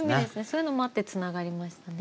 そういうのもあってつながりましたね。